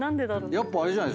やっぱあれじゃない？